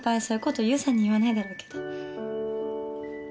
そういうこと優さんに言わないだろうけど。